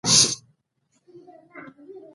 د دویم جېمز تر مړینې وروسته د هغه زوی وارث و.